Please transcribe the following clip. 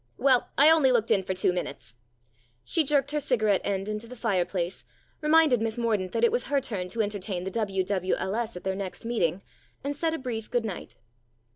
Well, I only looked in for two minutes." She jerked her cigarette end into the fireplace, reminded Miss Mordaunt that it was her turn to entertain the W.W.L.S. at their next meeting, and said a brief good night.